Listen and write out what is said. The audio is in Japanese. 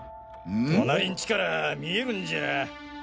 隣んちから見えるんじゃ。